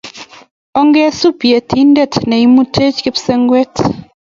Ongisub Yetindet ne immutech kipsengwet